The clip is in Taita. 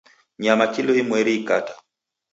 Nyama kilo imweri ikata